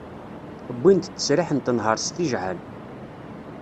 Wwin-d ttesriḥ n tenhert s tijɛεal.